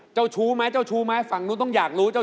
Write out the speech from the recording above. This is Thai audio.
เจ้าชู้ไหมฟังนู้นต้องอยากรึเปล่า